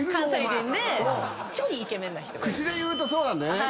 口で言うとそうなんだよね